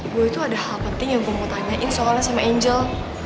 gue tuh ada hal penting yang gue mau tanyain soalnya sama angel